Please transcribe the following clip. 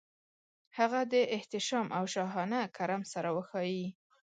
هغه د احتشام او شاهانه کرم سره وښايي.